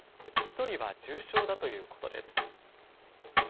１人は重症だということです。